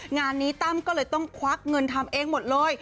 งานนี้ตั้มก็เลยต้องควักเงินทำเองหมดเลย